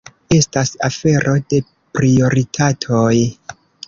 Estas afero de prioritatoj.